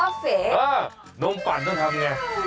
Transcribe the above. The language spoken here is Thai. คอเฟี่อ้านมปันต้องทำอย่างไร